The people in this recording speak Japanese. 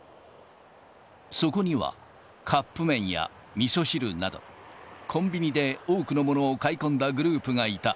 そこには、カップ麺やみそ汁など、コンビニで多くのものを買い込んだグループがいた。